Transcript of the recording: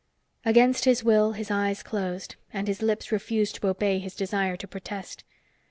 Against his will, his eyes closed, and his lips refused to obey his desire to protest.